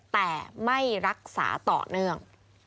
แต่ไม่รักษาต่อเนื่อง